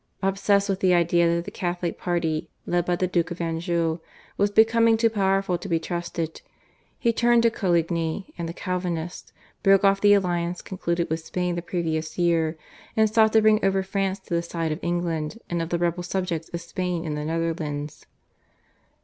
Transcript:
Obsessed with the idea that the Catholic party, led by the Duke of Anjou, was becoming too powerful to be trusted, he turned to Coligny and the Calvinists, broke off the alliance concluded with Spain the previous year, and sought to bring over France to the side of England and of the rebel subjects of Spain in the Netherlands.